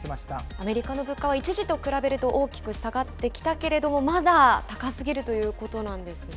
アメリカの物価は一時と比べると大きく下がってきたけれども、まだ高すぎるということなんですね。